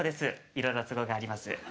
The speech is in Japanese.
いろいろ都合があります。